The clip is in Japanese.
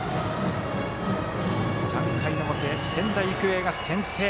３回の表、仙台育英が先制。